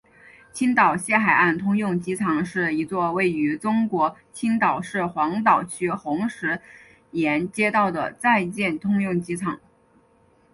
青岛西海岸通用机场是一座位于中国青岛市黄岛区红石崖街道的在建通用机场。